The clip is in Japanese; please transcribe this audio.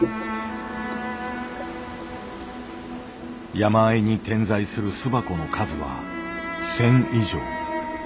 山あいに点在する巣箱の数は１，０００以上。